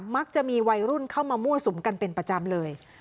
มักจะมีวัยรุ่นเข้ามามั่วสุมกันเป็นประจำเลย